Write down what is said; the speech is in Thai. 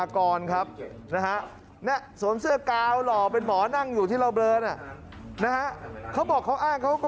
ขอบพระเจ้าครับตั้งแต่เวลานี้